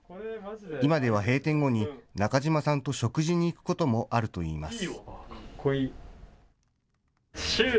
今では閉店後に中島さんと食事に行くこともあるといいます。